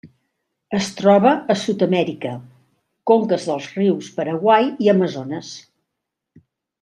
Es troba a Sud-amèrica: conques dels rius Paraguai i Amazones.